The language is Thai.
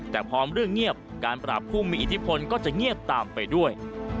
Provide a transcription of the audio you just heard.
แต่พอเรื่องเงียบการปราบผู้มีอิทธิพลก็จะเงียบตามไปด้วย